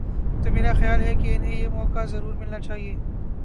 تو میرا خیال ہے کہ انہیں یہ موقع ضرور ملنا چاہیے۔